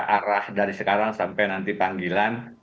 arah dari sekarang sampai nanti panggilan